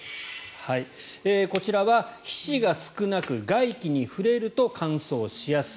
こちらは皮脂が少なく、外気に触れると乾燥しやすい。